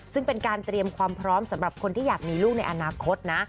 ซึ่งเป็นการเตรียมความพร้อมสำหรับคนที่อยากมีลูกในอนาคตนะ